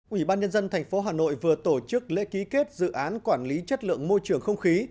ủy ban nhân dân tp hà nội vừa tổ chức lễ ký kết dự án quản lý chất lượng môi trường không khí